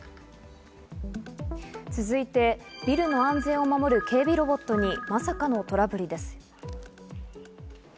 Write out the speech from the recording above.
続いてビルの安全を守る警備ロボットにまさかのトラブルです。